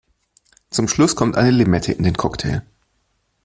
Zum Schluss kommt eine Limette in den Cocktail.